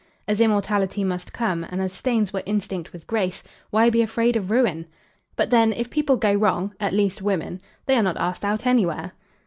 As immortality must come, and as stains were instinct with grace, why be afraid of ruin? But then, if people go wrong, at least women, they are not asked out any where!